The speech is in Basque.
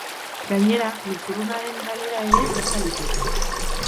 Gainera, giltzurrunaren galera ere gerta liteke.